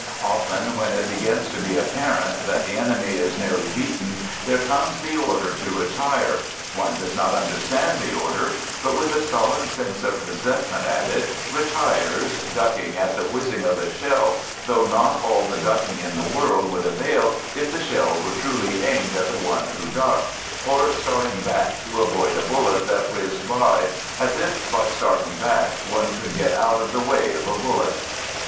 Often, when it begins to be apparent that the enemy is nearly beaten, there comes the order to retire; one does not understand the order, but, with a sullen sense of resentment at it, retires, ducking at the whizzing of a shell, though not all the ducking in the world would avail if the shell were truly aimed at the one who ducks, or starting back to avoid a bullet that whizzed by as if by starting back one could get out of the way of a bullet!